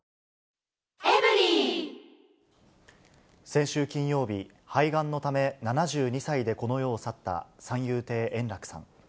先週金曜日、肺がんのため、７２歳でこの世を去った三遊亭円楽さん。